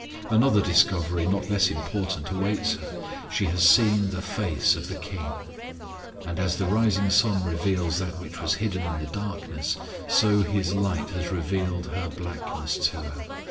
Another discovery not less important awaits her. She has seen the face of the KING, and as the rising sun reveals that which was hidden in the darkness, so His light has revealed her blackness to her.